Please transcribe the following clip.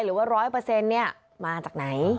หรือว่า๑๐๐มาจากไหน